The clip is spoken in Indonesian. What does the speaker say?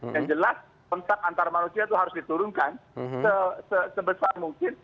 yang jelas kontak antar manusia itu harus diturunkan sebesar mungkin